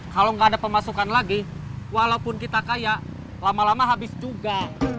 kalau nggak ada pemasukan lagi walaupun kita kaya lama lama habis juga